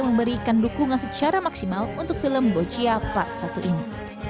memberikan dukungan secara maksimal untuk film boccia park satu ini